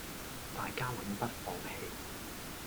大家永不放棄